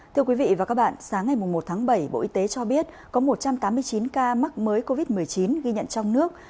thưa quý vị và các bạn sáng ngày một tháng bảy bộ y tế cho biết có một trăm tám mươi chín ca mắc mới covid một mươi chín ghi nhận trong nước